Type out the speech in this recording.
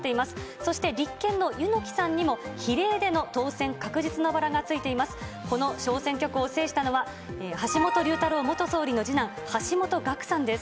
そして立憲の柚木さんにも、比例での当選確実のバラがついています。